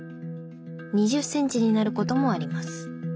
２０センチになることもあります。